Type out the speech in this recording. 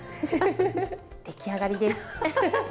出来上がりです。